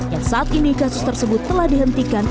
yang saat ini kasus tersebut telah dihentikan